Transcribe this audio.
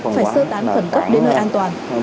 phải sơ tán khẩn cấp đến nơi an toàn